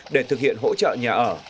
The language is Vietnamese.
để thực hiện hỗ trợ nhà ở